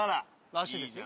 らしいですよ。